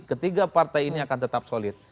ketiga partai ini akan tetap solid